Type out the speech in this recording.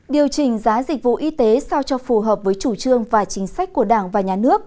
điều chỉnh giá dịch vụ y tế sao cho phù hợp với chủ trương và chính sách của đảng và nhà nước